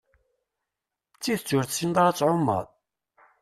D tidett ur tessineḍ ara ad tɛumeḍ?